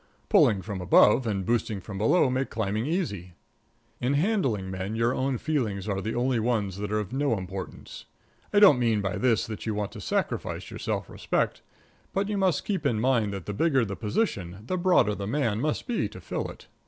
Pulling from above and boosting from below make climbing easy. In handling men, your own feelings are the only ones that are of no importance. I don't mean by this that you want to sacrifice your self respect, but you must keep in mind that the bigger the position the broader the man must be to fill it.